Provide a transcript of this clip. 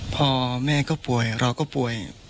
พอแม่ก็ป่วยเราก็ป่วย